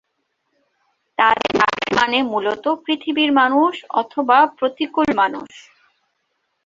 তাদের নামের মানে মূলত "পৃথিবীর মানুষ" অথবা "প্রতিকূল মানুষ"।